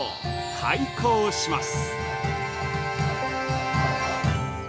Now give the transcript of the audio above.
開校します。